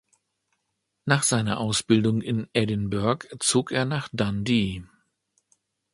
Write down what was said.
Nach seiner Ausbildung in Edinburgh zog er nach Dundee.